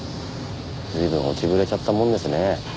随分落ちぶれちゃったもんですね。